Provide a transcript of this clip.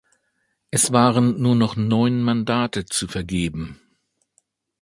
Es waren nur noch neun Mandate zu vergeben.